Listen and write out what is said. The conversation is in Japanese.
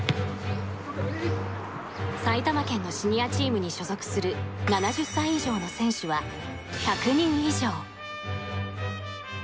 埼玉県のシニアチームに所属する７０歳以上の選手は１００人以上。